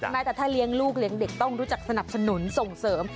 แม้แต่ถ้าเลี้ยงลูกเลี้ยงเด็กต้องรู้จักสนับสนุนส่งเสริม